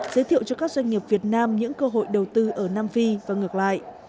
giới thiệu cho các doanh nghiệp việt nam những cơ hội đầu tư ở nam phi và ngược lại